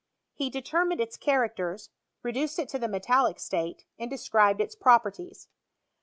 He determined its characters, reduced it to the metallic state, and described its properties.